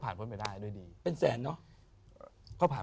ถ้าบุญต้อนจำแฟนตัวคนสร้างไว้ก็แต่คงหมดหลายแสน